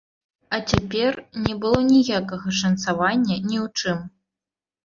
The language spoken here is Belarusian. А цяпер не было ніякага шанцавання, ні ў чым!